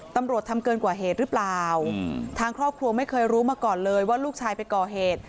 ตำรวจทำเกินกว่าเหตุหรือเปล่าทางครอบครัวไม่เคยรู้มาก่อนเลยว่าลูกชายไปก่อเหตุ